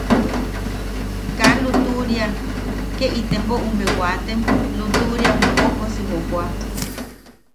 Kaa lutuʼuria ke itepo ume waatem lutuʼuriam koʼokosi jojooa.